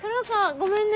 ごめんね。